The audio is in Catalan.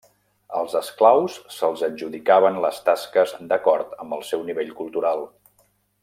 Als esclaus, se'ls adjudicaven les tasques d'acord amb el seu nivell cultural.